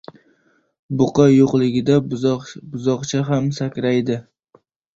• Buqa yo‘qligida buzoqcha ham sakraydi.